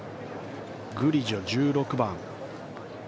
グリジョ、１６番。